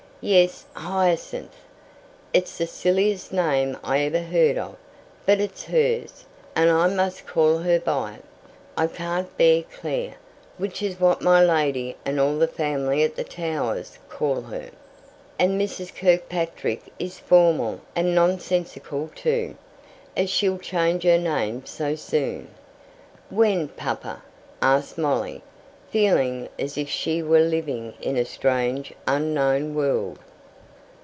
"Yes; Hyacinth! It's the silliest name I ever heard of; but it's hers, and I must call her by it. I can't bear Clare, which is what my lady and all the family at the Towers call her; and 'Mrs. Kirkpatrick' is formal and nonsensical too, as she'll change her name so soon." "When, papa?" asked Molly, feeling as if she were living in a strange, unknown world.